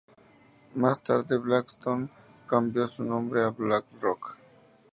Más tarde, Blackstone cambió su nombre a BlackRock.